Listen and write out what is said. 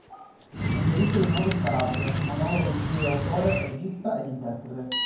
Un delitto d'onore in Calabria", monologo di cui è autore, regista ed interprete.